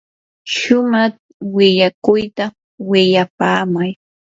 shumaq willakuyta willapaamay.